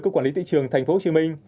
cơ quan lý tị trường tp hcm